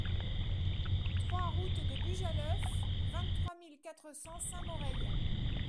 trois route de Bujaleuf, vingt-trois mille quatre cents Saint-Moreil